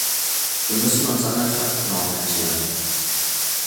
Wir müssen uns an den Fakten orientieren.